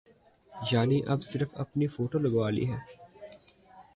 یعنی اب صرف اپنی فوٹو لگوا لی ہے۔